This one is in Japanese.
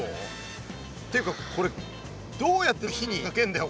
っていうかこれどうやって火にかけんだよ？